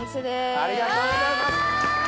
ありがとうございます！